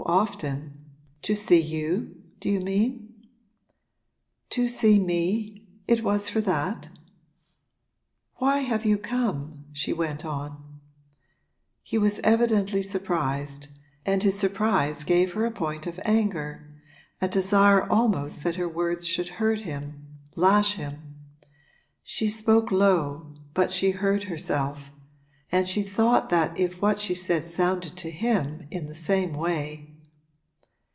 'So often? To see you, do you mean?' 'To see me it was for that? Why have you come?' she went on. He was evidently surprised, and his surprise gave her a point of anger, a desire almost that her words should hurt him, lash him. She spoke low, but she heard herself, and she thought that if what she said sounded to him in the same way